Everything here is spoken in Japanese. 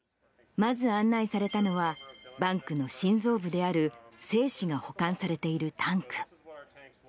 まず案内されたのは、バンクの心臓部である精子が保管されているタンク。